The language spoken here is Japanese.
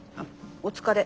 お疲れ。